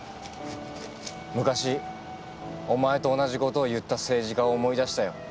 昔お前と同じ事を言った政治家を思い出したよ。